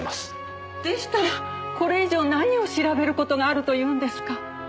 でしたらこれ以上何を調べる事があるというんですか？